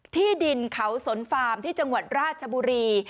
ที่ดินเขาสนฟาร์มที่จังหวัดราชบุรี